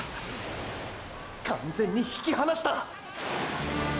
完全に引き離した！！